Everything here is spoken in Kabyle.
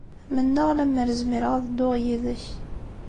Mennaɣ lemmer zmireɣ ad dduɣ yid-k.